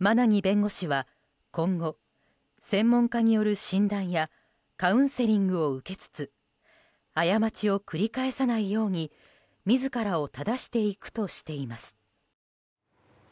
馬奈木弁護士は今後、専門家による診断やカウンセリングを受けつつ過ちを繰り返さないように自らを正していくとしています。